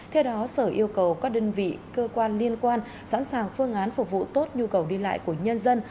theo đó sở yêu cầu các đơn vị cơ quan liên quan sẵn sàng phương án phục vụ tốt nhu cầu đi lại của nhân dân